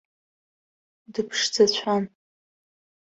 Дыԥшӡацәан.